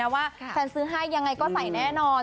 ว่าแฟนซื้อให้ยังไงก็ใส่แน่นอน